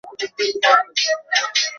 দেখো পোকাগুলো জীবন্ত।